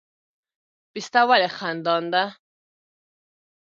پسته ولې خندان ده؟